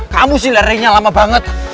kamu sih larinya lama banget